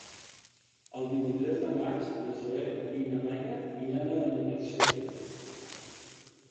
El vint-i-tres de maig na Zoè i na Laia iran a Benetússer.